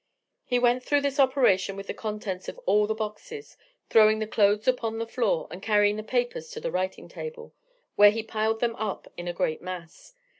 He went through this operation with the contents of all the boxes, throwing the clothes upon the floor, and carrying the papers to the writing table, where he piled them up in a great mass.